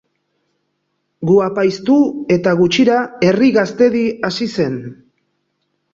Gu apaiztu eta gutxira Herri Gaztedi hasi zen.